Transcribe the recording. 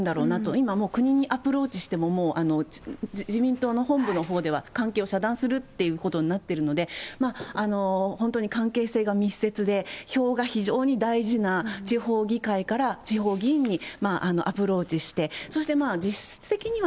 今もう国にアプローチしても、自民党の本部のほうでは、関係を遮断するっていうことになっているので、本当に関係性が密接で、票が非常に大事な地方議会から、地方議員にアプローチして、そして実質的には